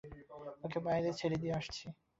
ওকে বাইরে ছেড়ে দিয়ে আসছি।